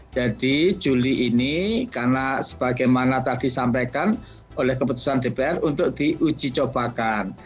jadi juli ini karena sebagaimana tadi disampaikan oleh keputusan dpr untuk diuji cobakan